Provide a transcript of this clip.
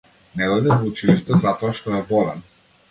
Не дојде во училиште затоа што е болен.